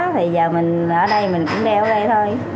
thì giờ mình ở đây mình cũng đeo ở đây thôi